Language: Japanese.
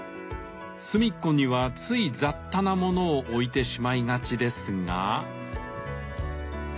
隅っこにはつい雑多なものを置いてしまいがちですが。